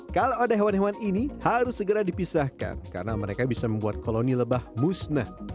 kalau ada hewan hewan ini harus segera dipisahkan karena mereka bisa membuat koloni lebah musnah